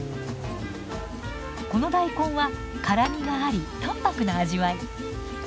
この大根は辛みがあり淡白な味わい。